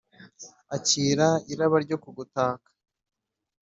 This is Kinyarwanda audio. akira iraba ryo kugutaka